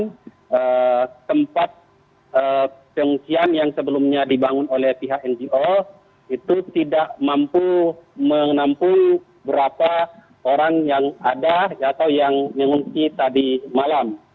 karena sebab pengungsian yang sebelumnya dibangun oleh pihak ngo itu tidak mampu menampung berapa orang yang ada atau yang mengungsi tadi malam